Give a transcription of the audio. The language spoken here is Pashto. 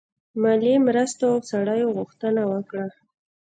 مالي مرستو او سړیو غوښتنه وکړه.